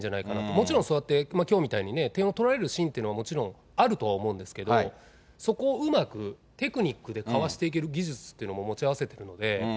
もちろんそうやって、きょうみたいにね、点を取られるシーンってのはあると思うんですけど、そこをうまくテクニックでかわしていける技術っていうのも持ち合わせているので。